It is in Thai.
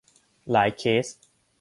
หลายเคส